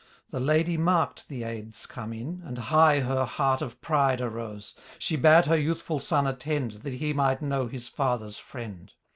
The Ladye mark'd the aids come in. And high her heart of pride arose : She bade her youthful son attend. That he might know his father's friend.